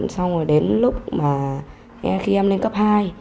xong rồi đến lúc mà khi em lên cấp hai